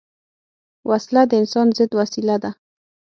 وسله د انسان ضد وسیله ده